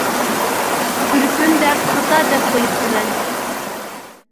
بىر كۈن دەپ خاتا دەپ قويۇپتىمەن.